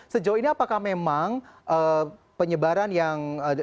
sejauh ini apakah memang penyebaran yang